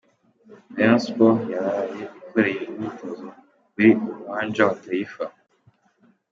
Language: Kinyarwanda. Rayon Sports yaraye ikoreye imyitozo kuri Uwanja wa Taifa